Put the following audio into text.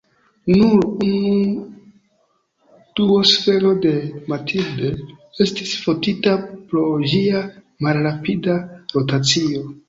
Nur unu duonsfero de "Mathilde" estis fotita pro ĝia malrapida rotacio.